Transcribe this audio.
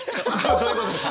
どういうことですか？